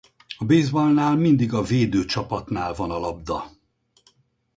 A baseballnál mindig a védő csapatnál van a labda.